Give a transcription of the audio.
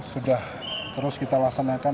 sudah terus kita laksanakan